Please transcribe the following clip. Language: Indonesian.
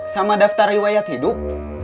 sama daftar riwayat hidup